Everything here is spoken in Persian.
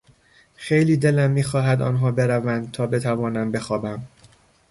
خیلی دلم میخواهد آنها بروند تا بتوانم بخوابم.